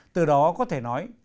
từ đó có thể nói